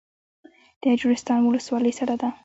د اجرستان ولسوالۍ سړه ده